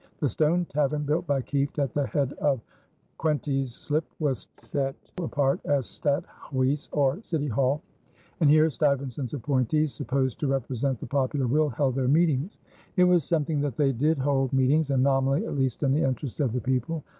The Stone Tavern built by Kieft at the head of Coenties Slip was set apart as a Stadt Huys, or City Hall, and here Stuyvesant's appointees, supposed to represent the popular will, held their meetings. It was something that they did hold meetings and nominally at least in the interest of the people.